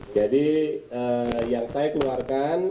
jadi yang saya keluarkan